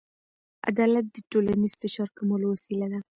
عدالت د ټولنیز فشار کمولو وسیله ده.